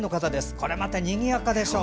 これまたにぎやかでしょう。